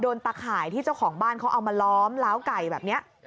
ตะข่ายที่เจ้าของบ้านเขาเอามาล้อมล้าวไก่แบบนี้